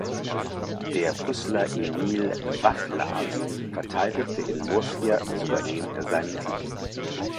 Der Brüsseler Emile Wafflard verteidigte in Murcia souverän seinen Titel.